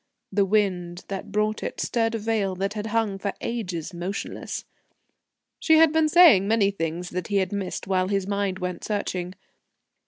The wind that brought it stirred a veil that had hung for ages motionless.... She had been saying many things that he had missed while his mind went searching.